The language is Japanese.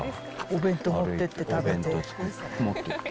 お弁当を持っていって食べて。